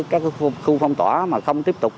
các khu phong tỏa mà không tiếp tục